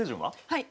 はい。